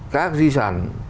các di sản